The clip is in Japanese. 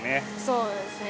そうなんですね。